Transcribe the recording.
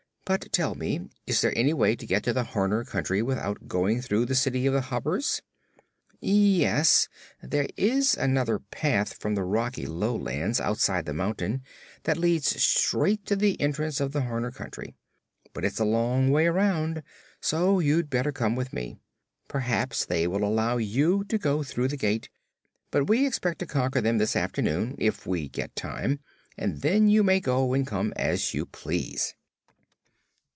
"But tell me, is there any way to get to the Horner Country without going through the city of the Hoppers?" "Yes; there is another path from the rocky lowlands, outside the mountain, that leads straight to the entrance of the Horner Country. But it's a long way around, so you'd better come with me. Perhaps they will allow you to go through the gate; but we expect to conquer them this afternoon, if we get time, and then you may go and come as you please."